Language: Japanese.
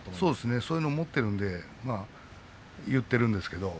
そう思っているので言っているんですけど。